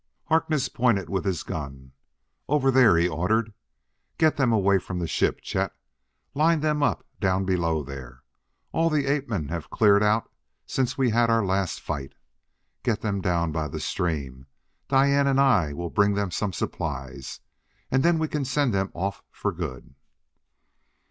Harkness pointed with his gun. "Over there!" he ordered. "Get them away from the ship, Chet. Line them up down below there; all the ape men have cleared out since we had our last fight. Get them down by the stream. Diane and I will bring them some supplies, and then we can send them off for good."